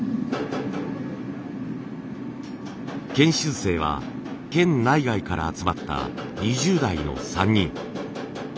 研修生は県内外から集まった２０代の３人。